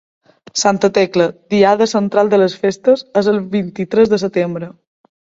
Santa Tecla, diada central de les festes, és el vint-i-tres de setembre.